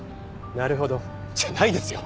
「なるほど」じゃないですよ！